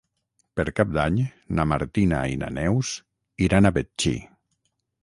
Per Cap d'Any na Martina i na Neus iran a Betxí.